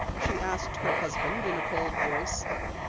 she asked her husband in a cold voice.